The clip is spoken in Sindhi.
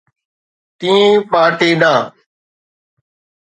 ٽئين پارٽي ڏانهن.